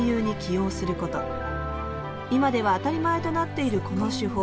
今では当たり前となっているこの手法